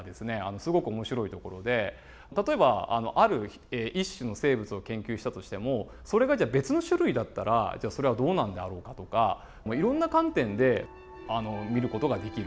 すごく面白いところで例えばある一種の生物を研究したとしてもそれが別の種類だったらそれはどうなるんであろうかとかいろんな観点で見る事ができる。